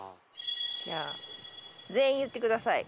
じゃあ全員言ってください。